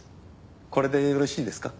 これでよろしいですか？